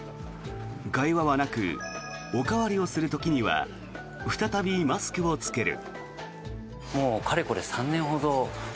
会話はなくおかわりをする時には再びマスクを着ける。